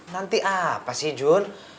nanti apa sih jun